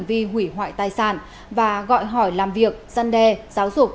vì hủy hoại tài sản và gọi hỏi làm việc giăn đề giáo dục